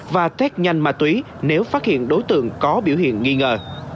và test nhanh ma túy nếu phát hiện đối tượng có biểu hiện nghi ngờ